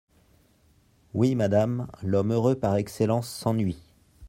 Oui, madame, l'homme heureux par excellence s'ennuie.